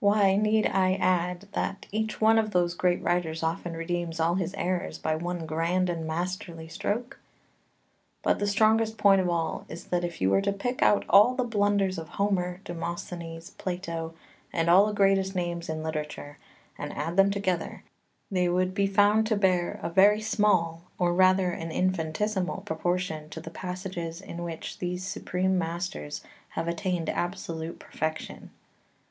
2 Why need I add that each one of those great writers often redeems all his errors by one grand and masterly stroke? But the strongest point of all is that, if you were to pick out all the blunders of Homer, Demosthenes, Plato, and all the greatest names in literature, and add them together, they would be found to bear a very small, or rather an infinitesimal proportion to the passages in which these supreme masters have attained absolute perfection.